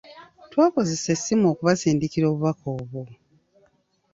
Twakozesa essimu okubasindikira obubaka obwo.